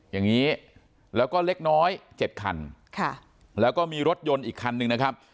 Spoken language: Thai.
อย่างนี้แล้วก็เล็กน้อย๗คันแล้วก็มีรถยนต์อีกคันหนึ่งนะครับ